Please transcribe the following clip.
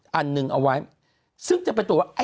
คุณหนุ่มกัญชัยได้เล่าใหญ่ใจความไปสักส่วนใหญ่แล้ว